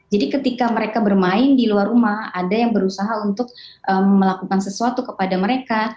jadi ketika mereka bermain di luar rumah ada yang berusaha untuk melakukan sesuatu kepada mereka